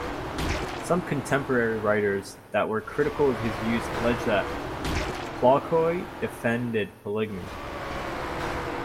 Some contemporary writers that were critical of his views alleged that Plockhoy defended polygamy.